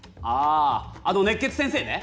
ああの熱血先生ね。